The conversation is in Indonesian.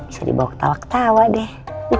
bisa dibawa ketawa ketawa deh